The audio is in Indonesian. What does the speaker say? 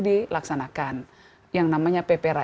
dilaksanakan yang namanya ppra